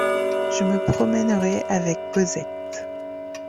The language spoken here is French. Je me promènerais avec Cosette.